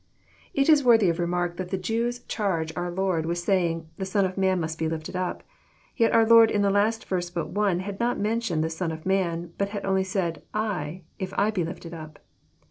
It is worthy of remark that the Jews charge our Lord with saying " the Son of Man must be lifted up." Yet our Lord in the last verse but one had not mentioned the Son of man, but bad only said, *'I, if I be lifted up."